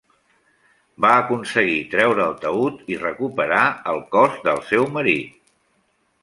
Va aconseguir treure el taüt i recuperar el cos del seu marit.